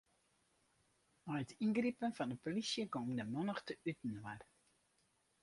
Nei it yngripen fan 'e polysje gong de mannichte útinoar.